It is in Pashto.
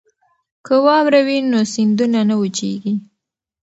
که واوره وي نو سیندونه نه وچیږي.